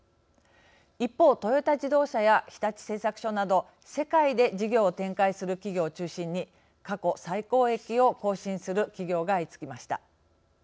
一方、トヨタ自動車や日立製作所など世界で事業を展開する企業を中心に過去最高益を更新する企業が相次ぎました。